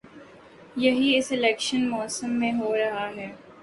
یہی اس الیکشن موسم میں ہو رہا ہے۔